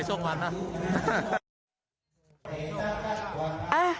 ช่วงไข่ช่วงมันฮะ